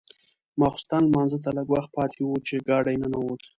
ماخوستن لمانځه ته لږ وخت پاتې و چې ګاډی ننوت.